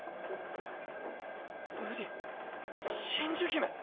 瑠璃真珠姫！